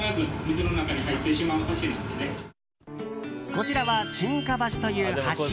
こちらは沈下橋という橋。